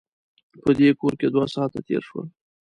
په دې کور کې دوه ساعته تېر شول.